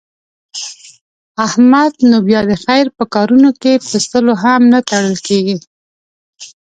احمد نو بیا د خیر په کارونو کې په سلو هم نه تړل کېږي.